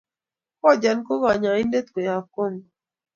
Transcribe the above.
Kojan ko kanyaindet koyab Congo